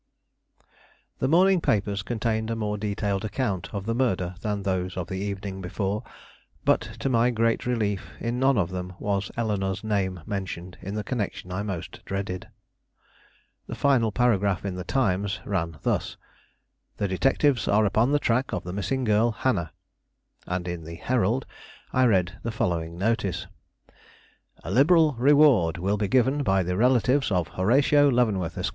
The morning papers contained a more detailed account of the murder than those of the evening before; but, to my great relief, in none of them was Eleanore's name mentioned in the connection I most dreaded. The final paragraph in the Times ran thus: "The detectives are upon the track of the missing girl, Hannah." And in the Herald I read the following notice: "A Liberal Reward will be given by the relatives of Horatio Leavenworth, Esq.